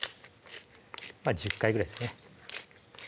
１０回ぐらいですね